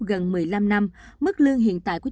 gần một mươi năm năm mức lương hiện tại của